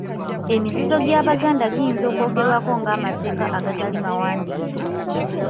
Emizizo gy'Abaganda giyinza okwogerwako nga amateeka agatali mawandiike.